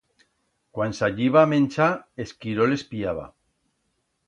Cuan salliba a menchar, Esquirol espiaba.